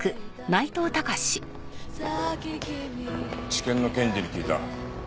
地検の検事に聞いた。